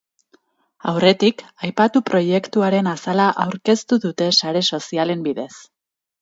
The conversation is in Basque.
Aurretik, aipatu proiektuaren azala aurkeztu dute sare sozialen bidez.